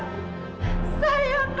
dia sangat menderita dihambar